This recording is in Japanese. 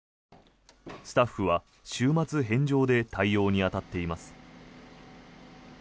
スタッフは週末返上で対応に当たっています。